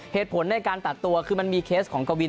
เหตุผลในการตัดตัวคือมันมีเคสของกวิน